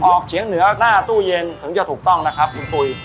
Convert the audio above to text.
เฉียงเหนือหน้าตู้เย็นถึงจะถูกต้องนะครับคุณปุ๋ย